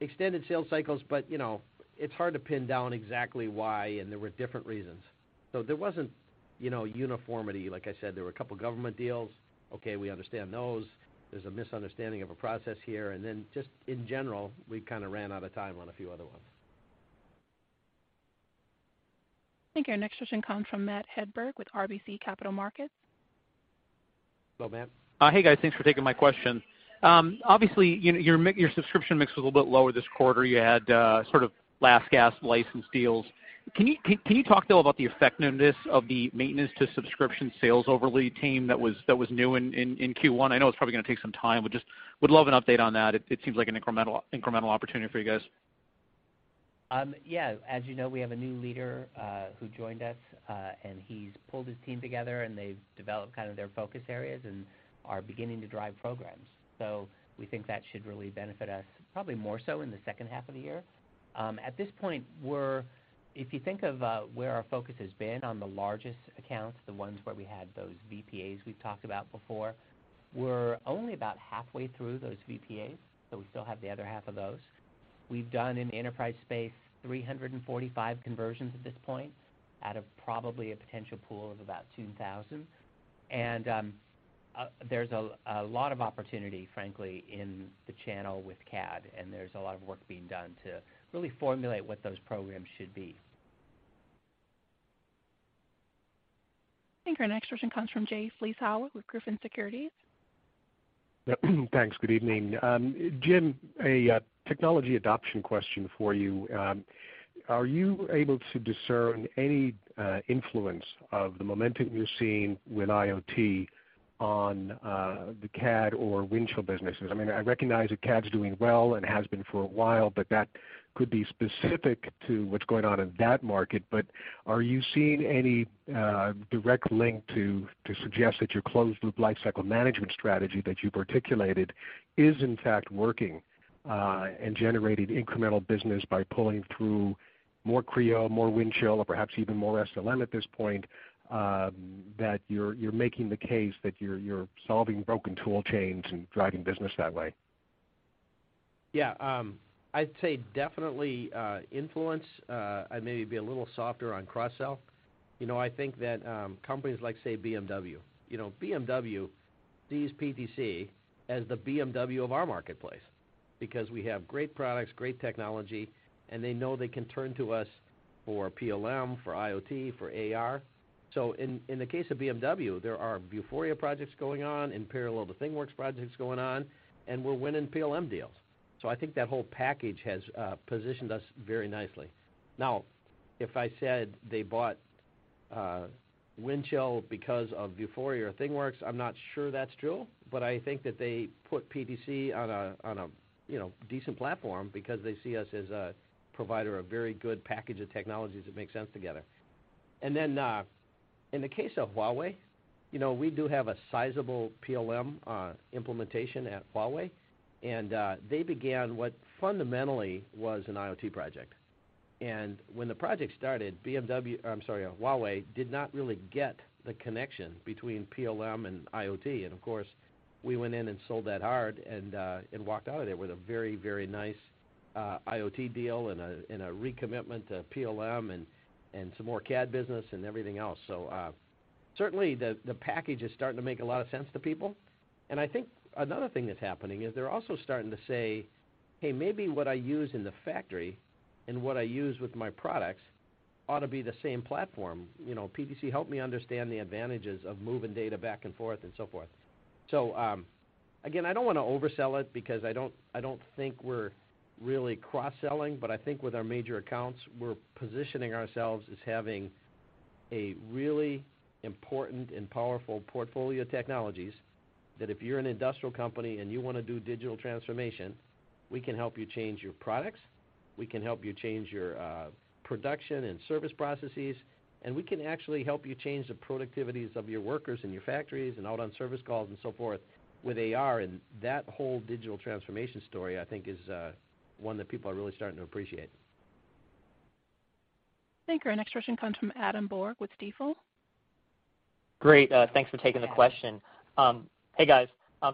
Extended sales cycles, but it's hard to pin down exactly why, and there were different reasons. There wasn't uniformity. Like I said, there were a couple of government deals. Okay, we understand those. There's a misunderstanding of a process here. Just in general, we kind of ran out of time on a few other ones. Thank you. Our next question comes from Matthew Hedberg with RBC Capital Markets. Hello, Matt. Hey, guys. Thanks for taking my question. Obviously, your subscription mix was a little bit lower this quarter. You had sort of last-gasp license deals. Can you talk, though, about the effectiveness of the maintenance to subscription sales overlay team that was new in Q1? I know it's probably going to take some time. Would love an update on that. It seems like an incremental opportunity for you guys. Yeah. As you know, we have a new leader who joined us. He's pulled his team together, and they've developed kind of their focus areas and are beginning to drive programs. We think that should really benefit us probably more so in the second half of the year. At this point, if you think of where our focus has been on the largest accounts, the ones where we had those VPAs we've talked about before, we're only about halfway through those VPAs, so we still have the other half of those. We've done in the enterprise space 345 conversions at this point out of probably a potential pool of about 2,000. There's a lot of opportunity, frankly, in the channel with CAD, and there's a lot of work being done to really formulate what those programs should be. Thank you. Our next question comes from Jay Vleeschhouwer with Griffin Securities. Thanks. Good evening. Jim, a technology adoption question for you. Are you able to discern any influence of the momentum you're seeing with IoT on the CAD or Windchill businesses? I recognize that CAD's doing well and has been for a while, but that could be specific to what's going on in that market. Are you seeing any direct link to suggest that your closed-loop lifecycle management strategy that you articulated is in fact working and generating incremental business by pulling through more Creo, more Windchill, or perhaps even more SLM at this point, that you're making the case that you're solving broken tool chains and driving business that way? Yeah. I'd say definitely influence. I'd maybe be a little softer on cross-sell. I think that companies like, say, BMW. BMW sees PTC as the BMW of our marketplace because we have great products, great technology, and they know they can turn to us for PLM, for IoT, for AR. In the case of BMW, there are Vuforia projects going on, in parallel to ThingWorx projects going on, and we're winning PLM deals. I think that whole package has positioned us very nicely. Now, if I said they bought Windchill because of Vuforia or ThingWorx, I'm not sure that's true. I think that they put PTC on a decent platform because they see us as a provider of very good package of technologies that make sense together. In the case of Huawei, we do have a sizable PLM implementation at Huawei. They began what fundamentally was an IoT project. When the project started, Huawei did not really get the connection between PLM and IoT. Of course, we went in and sold that hard and walked out of there with a very nice IoT deal and a recommitment to PLM and some more CAD business and everything else. Certainly, the package is starting to make a lot of sense to people. I think another thing that's happening is they're also starting to say, "Hey, maybe what I use in the factory and what I use with my products ought to be the same platform. PTC help me understand the advantages of moving data back and forth and so forth." Again, I don't want to oversell it because I don't think we're really cross-selling, but I think with our major accounts, we're positioning ourselves as having a really important and powerful portfolio of technologies that if you're an industrial company and you want to do digital transformation, we can help you change your products, we can help you change your production and service processes, and we can actually help you change the productivities of your workers and your factories and out on service calls and so forth with AR. That whole digital transformation story, I think, is one that people are really starting to appreciate. Thank you. Our next question comes from Adam Borg with Stifel. Great. Thanks for taking the question. Yeah. Hey, guys.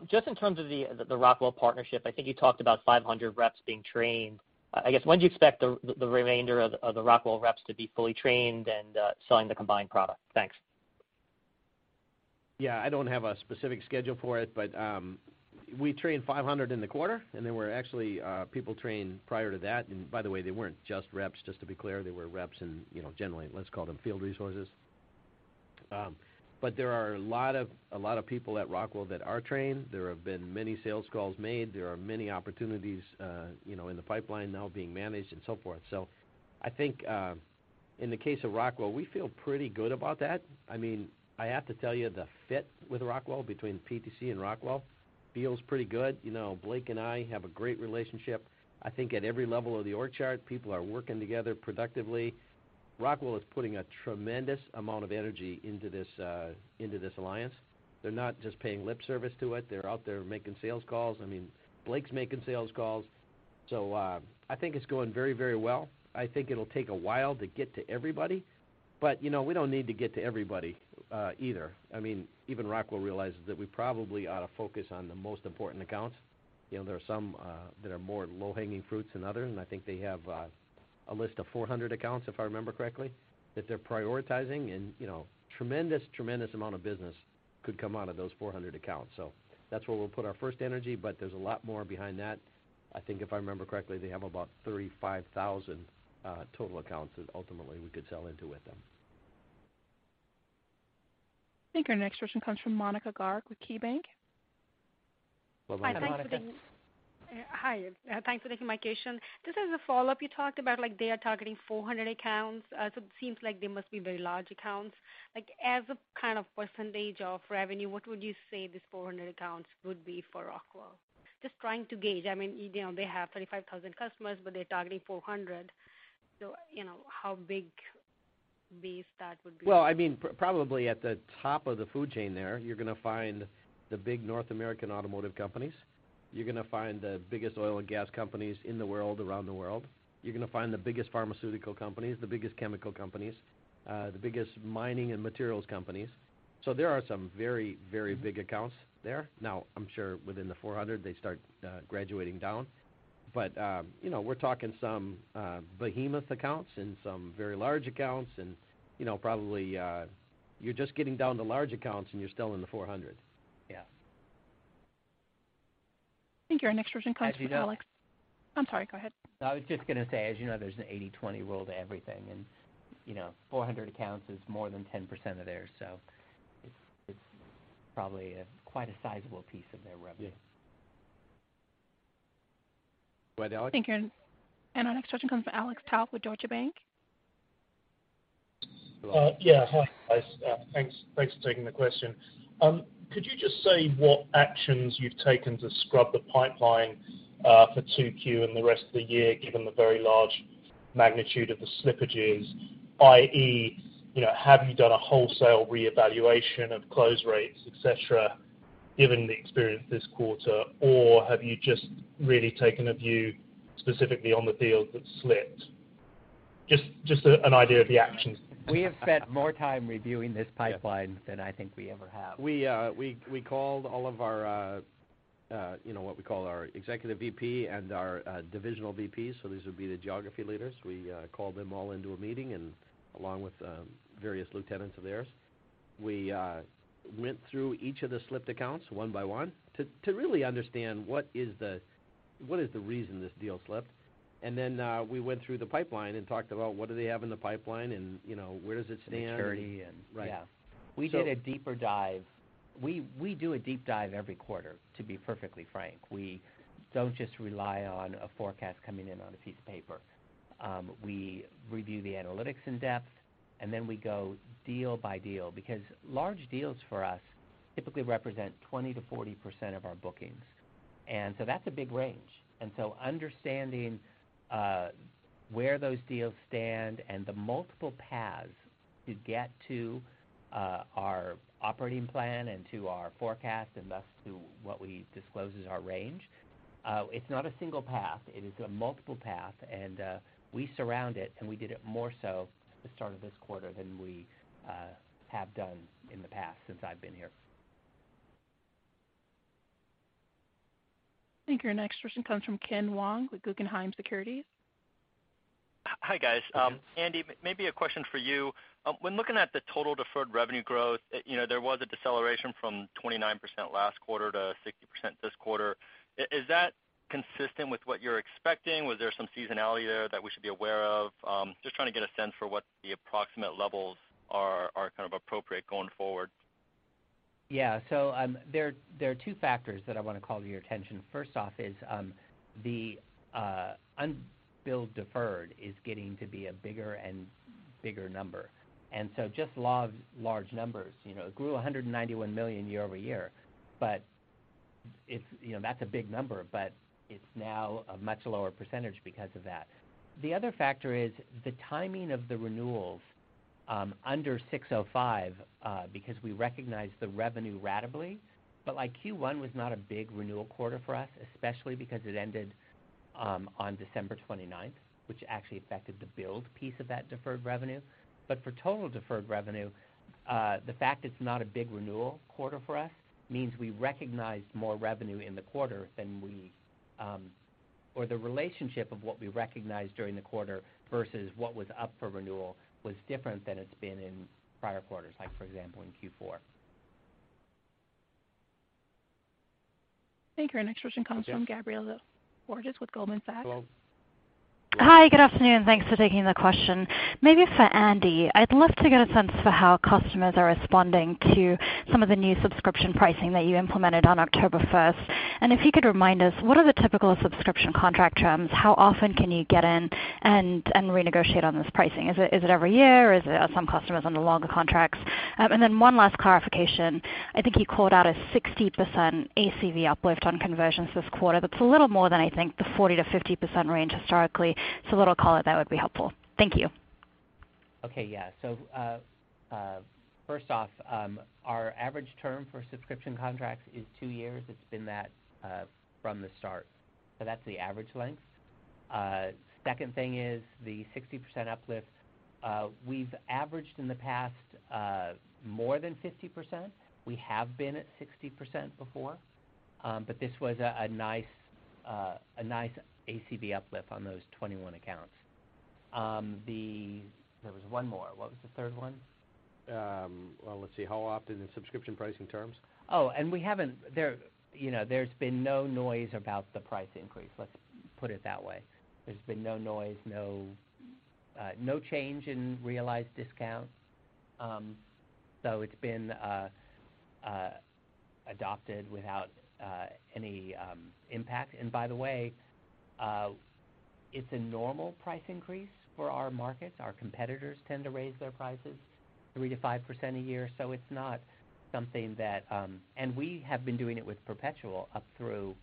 Just in terms of the Rockwell partnership, I think you talked about 500 reps being trained. I guess, when do you expect the remainder of the Rockwell reps to be fully trained and selling the combined product? Thanks. Yeah. I don't have a specific schedule for it, but we trained 500 in the quarter, and there were actually people trained prior to that. By the way, they weren't just reps, just to be clear. They were reps and generally, let's call them field resources. There are a lot of people at Rockwell that are trained. There have been many sales calls made. There are many opportunities in the pipeline now being managed and so forth. I think, in the case of Rockwell, we feel pretty good about that. I have to tell you, the fit with Rockwell between PTC and Rockwell feels pretty good. Blake and I have a great relationship. I think at every level of the org chart, people are working together productively. Rockwell is putting a tremendous amount of energy into this alliance. They're not just paying lip service to it. They're out there making sales calls. Blake's making sales calls. I think it's going very well. I think it'll take a while to get to everybody, but we don't need to get to everybody either. Even Rockwell realizes that we probably ought to focus on the most important accounts. There are some that are more low-hanging fruits than others, and I think they have a list of 400 accounts, if I remember correctly, that they're prioritizing, and tremendous amount of business could come out of those 400 accounts. That's where we'll put our first energy, but there's a lot more behind that. I think if I remember correctly, they have about 35,000 total accounts that ultimately we could sell into with them. I think our next question comes from Monika Garg with KeyBank. Well, hi, Monica. Hi, thanks for taking my question. Just as a follow-up, you talked about they are targeting 400 accounts. It seems like they must be very large accounts. As a kind of percentage of revenue, what would you say these 400 accounts would be for Rockwell? Just trying to gauge. They have 35,000 customers, but they're targeting 400. How big base that would be? Well, probably at the top of the food chain there, you're going to find the big North American automotive companies. You're going to find the biggest oil and gas companies in the world, around the world. You're going to find the biggest pharmaceutical companies, the biggest chemical companies, the biggest mining and materials companies. There are some very big accounts there. Now, I'm sure within the 400, they start graduating down. We're talking some behemoth accounts and some very large accounts and probably you're just getting down to large accounts and you're still in the 400. Yeah. I think our next question comes from Alex As you know. I'm sorry, go ahead. No, I was just going to say, as you know, there's an 80/20 rule to everything, and 400 accounts is more than 10% of theirs, so it's probably quite a sizable piece of their revenue. Yes. Go ahead, Alex. Our next question comes from Alex Tout with Deutsche Bank. Go ahead. Yeah. Hi, guys. Thanks for taking the question. Could you just say what actions you've taken to scrub the pipeline for 2Q and the rest of the year, given the very large magnitude of the slippages, i.e., have you done a wholesale reevaluation of close rates, et cetera, given the experience this quarter? Or have you just really taken a view specifically on the deals that slipped? Just an idea of the actions. We have spent more time reviewing this pipeline than I think we ever have. We called all of our, what we call our executive VP and our divisional VPs, so these would be the geography leaders. We called them all into a meeting, along with various lieutenants of theirs. We went through each of the slipped accounts one by one to really understand what is the reason this deal slipped. Then we went through the pipeline and talked about what do they have in the pipeline and where does it stand. The maturity and Right. Yeah. So- We did a deeper dive. We do a deep dive every quarter, to be perfectly frank. We don't just rely on a forecast coming in on a piece of paper. We review the analytics in depth, and then we go deal by deal, because large deals for us typically represent 20%-40% of our bookings. That's a big range. Understanding where those deals stand and the multiple paths to get to our operating plan and to our forecast, and thus to what we disclose as our range, it's not a single path. It is a multiple path, and we surround it, and we did it more so at the start of this quarter than we have done in the past since I've been here. I think your next question comes from Ken Wong with Guggenheim Securities. Hi, guys. Yes. Andy, maybe a question for you. When looking at the total deferred revenue growth, there was a deceleration from 29% last quarter to 60% this quarter. Is that consistent with what you're expecting? Was there some seasonality there that we should be aware of? Just trying to get a sense for what the approximate levels are appropriate going forward. There are two factors that I want to call to your attention. First off is the unbilled deferred is getting to be a bigger and bigger number. Just law of large numbers. It grew $191 million year-over-year. That's a big number, but it's now a much lower percentage because of that. The other factor is the timing of the renewals under 605, because we recognize the revenue ratably. Q1 was not a big renewal quarter for us, especially because it ended on December 29th, which actually affected the billed piece of that deferred revenue. For total deferred revenue, the fact it's not a big renewal quarter for us means we recognized more revenue in the quarter or the relationship of what we recognized during the quarter versus what was up for renewal was different than it's been in prior quarters, like for example, in Q4. I think our next question comes from. Yes Gabriela Borges with Goldman Sachs. Hello. Hi. Good afternoon. Thanks for taking the question. Maybe for Andy, I'd love to get a sense for how customers are responding to some of the new subscription pricing that you implemented on October 1st. If you could remind us, what are the typical subscription contract terms? How often can you get in and renegotiate on this pricing? Is it every year, or are some customers under longer contracts? One last clarification. I think you called out a 60% ACV uplift on conversions this quarter. That's a little more than I think the 40%-50% range historically. A little color there would be helpful. Thank you. Okay. Yeah. First off, our average term for subscription contracts is two years. It's been that from the start. That's the average length. Second thing is the 60% uplift. We've averaged in the past more than 50%. We have been at 60% before. This was a nice ACV uplift on those 21 accounts. There was one more. What was the third one? Well, let's see, how often is subscription pricing terms? Oh, there's been no noise about the price increase, let's put it that way. There's been no noise, no change in realized discounts. It's been adopted without any impact. By the way, it's a normal price increase for our markets. Our competitors tend to raise their prices 3%-5% a year, so it's not something. We have been doing it with perpetual up through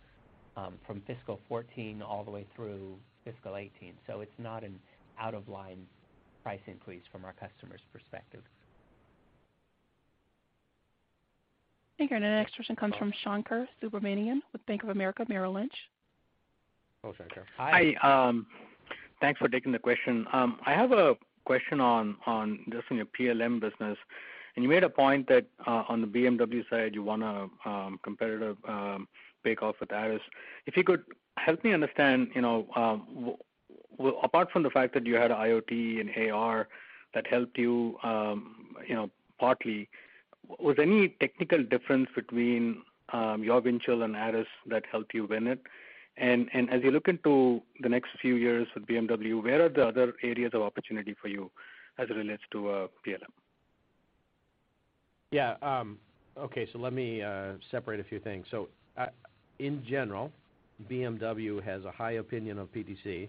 from fiscal 2014 all the way through fiscal 2018, so it's not an out-of-line price increase from our customer's perspective. I think our next question comes from Shankar Subramanian with Bank of America Merrill Lynch. Hello, Shankar. Hi. Thanks for taking the question. I have a question on just on your PLM business, you made a point that on the BMW side, you won a competitive bake-off with Aras. If you could help me understand, apart from the fact that you had IoT and AR that helped you partly, was there any technical difference between your Windchill and Aras that helped you win it? As you look into the next few years with BMW, where are the other areas of opportunity for you as it relates to PLM? Yeah. Okay, let me separate a few things. In general, BMW has a high opinion of PTC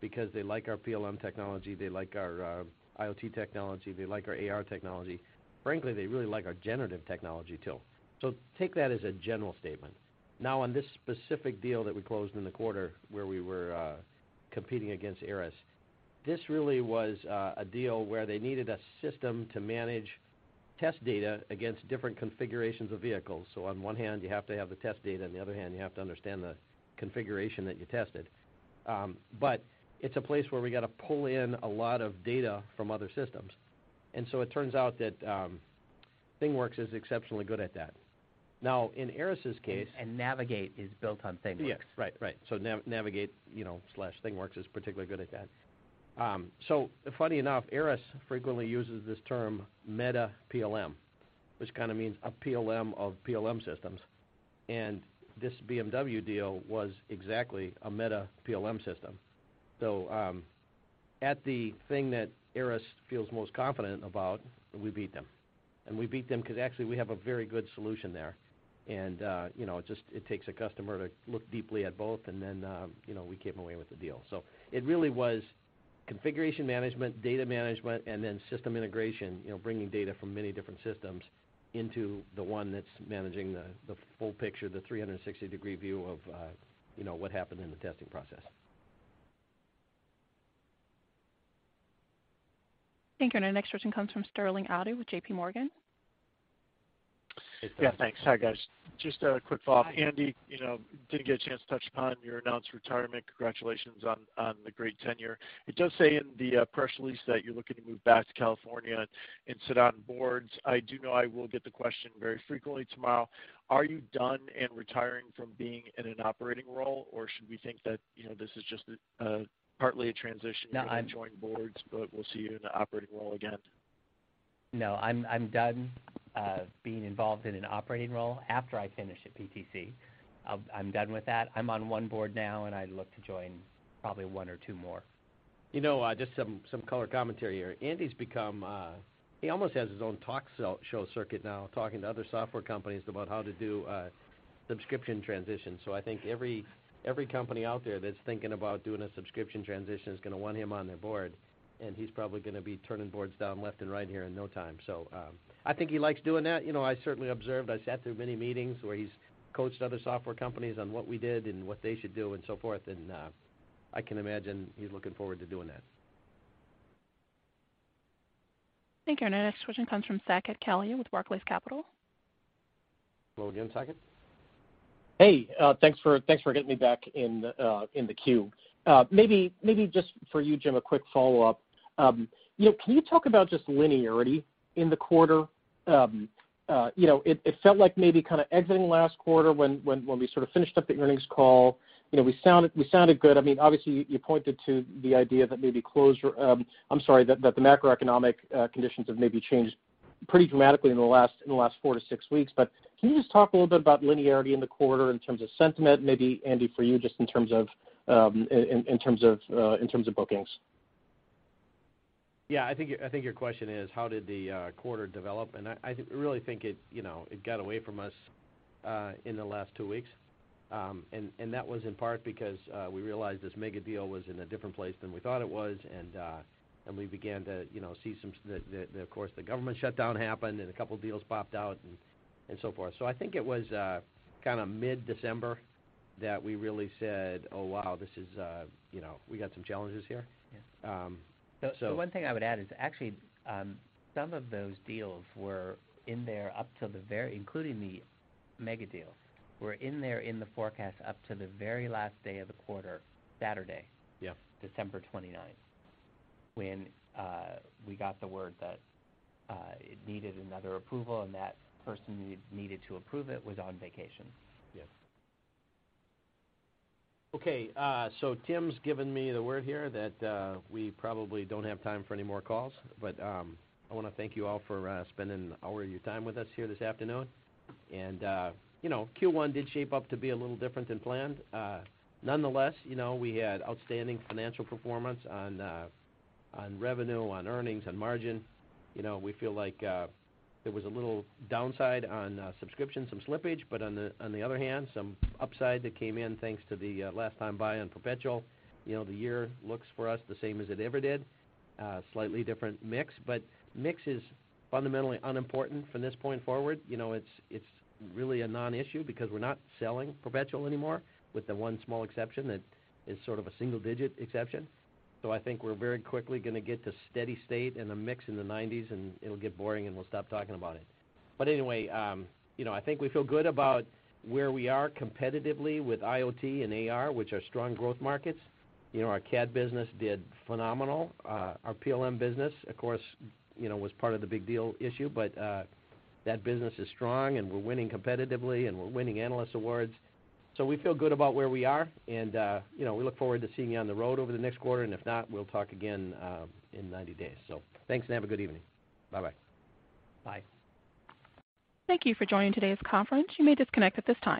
because they like our PLM technology, they like our IoT technology, they like our AR technology. Frankly, they really like our generative technology too. Take that as a general statement. On this specific deal that we closed in the quarter where we were competing against Aras, this really was a deal where they needed a system to manage test data against different configurations of vehicles. On one hand, you have to have the test data, on the other hand, you have to understand the configuration that you tested. It's a place where we got to pull in a lot of data from other systems. It turns out that ThingWorx is exceptionally good at that. In Aras's case Navigate is built on ThingWorx. Yes. Right. Navigate/ThingWorx is particularly good at that. Funny enough, Aras frequently uses this term meta PLM, which kind of means a PLM of PLM systems. This BMW deal was exactly a meta PLM system. At the thing that Aras feels most confident about, we beat them. We beat them because actually we have a very good solution there. It takes a customer to look deeply at both and then we came away with the deal. It really was configuration management, data management, and then system integration, bringing data from many different systems into the one that's managing the full picture, the 360-degree view of what happened in the testing process. Thank you. Our next question comes from Sterling Auty with JPMorgan. Yeah, thanks. Hi, guys. Just a quick follow-up. Andy, didn't get a chance to touch upon your announced retirement. Congratulations on the great tenure. It does say in the press release that you're looking to move back to California and sit on boards. I do know I will get the question very frequently tomorrow. Are you done and retiring from being in an operating role? Or should we think that this is just partly a transition- No, I'm To join boards, but we'll see you in an operating role again? I'm done being involved in an operating role after I finish at PTC. I'm done with that. I'm on one board now, I look to join probably one or two more. Just some color commentary here. Andy, he almost has his own talk show circuit now, talking to other software companies about how to do subscription transitions. I think every company out there that's thinking about doing a subscription transition is going to want him on their board, he's probably going to be turning boards down left and right here in no time. I think he likes doing that. I certainly observed, I sat through many meetings where he's coached other software companies on what we did and what they should do and so forth, I can imagine he's looking forward to doing that. Thank you. Our next question comes from Saket Kalia with Barclays Capital. Hello again, Saket. Hey, thanks for getting me back in the queue. Maybe just for you, Jim, a quick follow-up. Can you talk about just linearity in the quarter? It felt like maybe kind of exiting last quarter when we sort of finished up the earnings call. We sounded good. Obviously, you pointed to the idea that maybe the macroeconomic conditions have maybe changed pretty dramatically in the last four to six weeks. Can you just talk a little bit about linearity in the quarter in terms of sentiment? Maybe Andy, for you, just in terms of bookings. Yeah, I think your question is how did the quarter develop? I really think it got away from us in the last two weeks. That was in part because we realized this mega deal was in a different place than we thought it was, and we began to see Of course, the government shutdown happened, and a couple deals popped out, and so forth. I think it was mid-December that we really said, "Oh, wow, we got some challenges here. Yeah. So The one thing I would add is actually some of those deals were in there up till, including the mega deals, were in there in the forecast up to the very last day of the quarter, Saturday. Yeah December 29th, when we got the word that it needed another approval, and that person who needed to approve it was on vacation. Yes. Okay, Tim's given me the word here that we probably don't have time for any more calls. I want to thank you all for spending an hour of your time with us here this afternoon. Q1 did shape up to be a little different than planned. Nonetheless, we had outstanding financial performance on revenue, on earnings, on margin. We feel like there was a little downside on subscriptions, some slippage, but on the other hand, some upside that came in, thanks to the last time buy on perpetual. The year looks for us the same as it ever did. Slightly different mix, but mix is fundamentally unimportant from this point forward. It's really a non-issue because we're not selling perpetual anymore, with the one small exception that is sort of a single-digit exception. I think we're very quickly going to get to steady state and a mix in the 90s, and it'll get boring, and we'll stop talking about it. I think we feel good about where we are competitively with IoT and AR, which are strong growth markets. Our CAD business did phenomenal. Our PLM business, of course, was part of the big deal issue, but that business is strong, and we're winning competitively, and we're winning analyst awards. We feel good about where we are, and we look forward to seeing you on the road over the next quarter, and if not, we'll talk again in 90 days. Thanks, and have a good evening. Bye-bye. Bye. Thank you for joining today's conference. You may disconnect at this time.